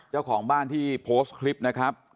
เจ้าของบ้านที่โพสต์คลิปนะครับ